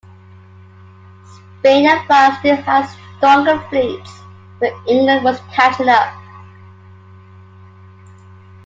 Spain and France still had stronger fleets, but England was catching up.